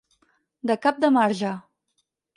De cap de marge.